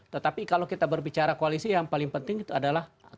tetapi kalau kita berbicara koalisi yang paling penting itu adalah